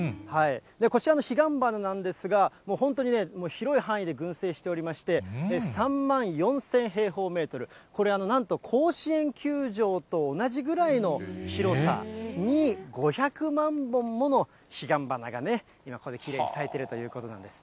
こちらの彼岸花なんですが、本当にね、広い範囲で群生しておりまして、３万４０００平方メートル、これ、なんと甲子園球場と同じぐらいの広さに、５００万本もの彼岸花がね、今、ここできれいに咲いているということなんです。